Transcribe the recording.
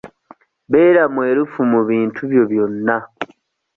Beera mwerufu mu bintu byo byonna.